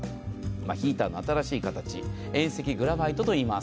ヒーターの新しい形、遠赤グラファイトといいます。